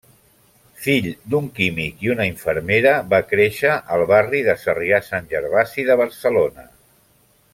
Fill d'un químic i una infermera, va créixer al barri de Sarrià-Sant Gervasi de Barcelona.